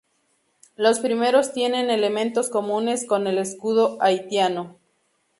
Los primeros tienen elementos comunes con el escudo haitiano.